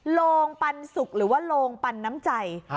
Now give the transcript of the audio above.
โรงปันสุกหรือว่าโรงปันน้ำใจ